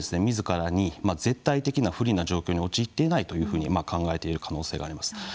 みずからに絶対的な不利な状況に陥っていないというふうに考えている可能性があります。